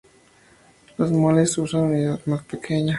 Los moles usan su unidad más pequeña.